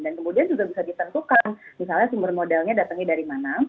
kemudian juga bisa ditentukan misalnya sumber modalnya datangnya dari mana